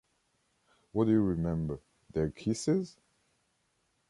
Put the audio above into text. What do you remember — their kisses?